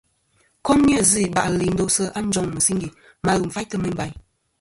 Kom ni-a zɨ̀ iba'lɨ i ndosɨ a njoŋ mɨsingè ma lum faytɨ meyn bayn.